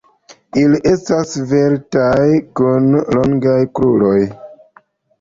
Ili estas sveltaj, kun longaj kruroj.